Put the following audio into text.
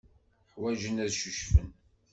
Ḥwajen ad ccucfen.